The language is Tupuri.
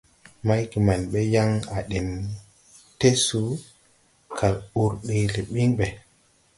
Maygeman ɓe yaŋ à ɗeŋ Tɛɛsu kal ur ɗee le ɓiŋ ɓe.